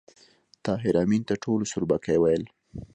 طاهر آمین ته ټولو سوربګی ویل